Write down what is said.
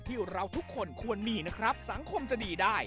ที่เราทุกคนควรมีนะครับสังคมจะดีได้